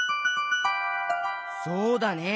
そうだね。